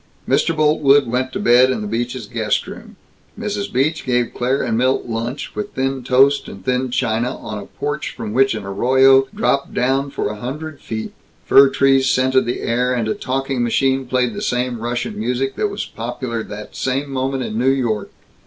Mr. Boltwood went to bed in the Beaches' guest room. Mrs. Beach gave Claire and Milt lunch, with thin toast and thin china, on a porch from which an arroyo dropped down for a hundred feet. Fir trees scented the air, and a talking machine played the same Russian music that was popular that same moment in New York.